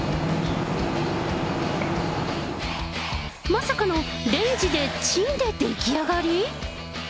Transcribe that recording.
まさかのレンジでチンで出来上がり？